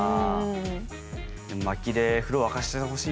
でもまきで風呂沸かしててほしいなあ。